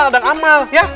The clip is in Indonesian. ladang amal ya